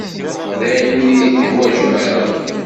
Dayen, ur yi-teḥwaǧem ara.